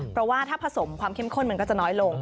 เพราะว่าถ้าผสมความเข้มข้นมันก็จะน้อยลง